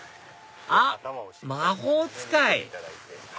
あっ魔法使い！